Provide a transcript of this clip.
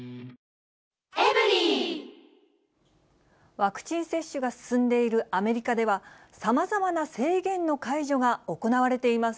ワクチン接種が進んでいるアメリカでは、さまざまな制限の解除が行われています。